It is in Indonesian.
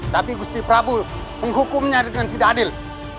tapi ustin prabu menghukumnya dengan tidak adil